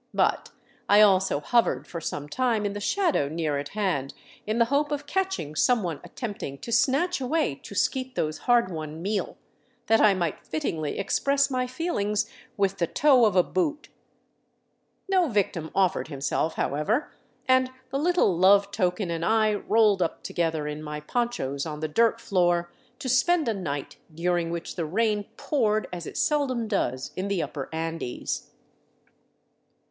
But I also hovered for some time in the shadow near at hand, in the hope of catching some one at tempting to snatch away Chusquito's hard won meal, that I might fittingly express my feelings with the toe of a boot. No victim offered himself, however, and the little love token and I rolled up together in my ponchos on the dirt floor, to spend a night during which the rain poured as it seldom does in the upper Andes.